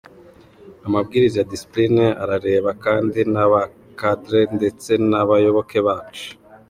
Amabwiriza ya discipline arareba kandi n’aba cadre ndetse n’abayoboke bacu.